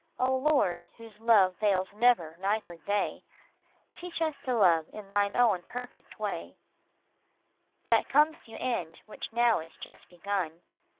O Lord, whose love fails never night or day, Teach us to love in Thine own perfect way. 134 A NEW YEAR PRAYER That comes to end which now is just begun.